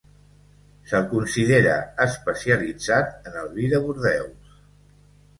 Se'l considera especialitzat en el vi de Bordeus.